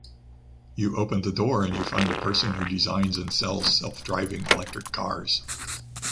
You open the door and you find a person who designs and sells self-driving electric cars.